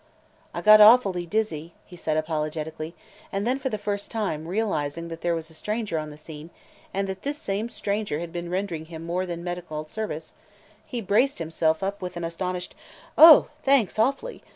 "I got awfully dizzy!" he said apologetically, and then, for the first time realizing that there was a stranger on the scene and that this same stranger had been rendering him more than medical service, he braced himself up with an astonished, "Oh, thanks, awfully!